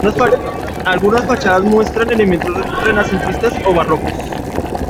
Algunas fachadas muestran elementos renacentistas o barrocos.